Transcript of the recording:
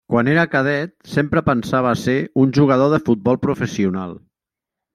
Quan era cadet sempre pensava a ser un jugador de futbol professional.